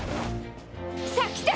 さあ来て！